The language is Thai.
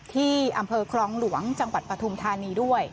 ที่อำเภอคลองหลวงจังหวัดปฐุมธานีด้วย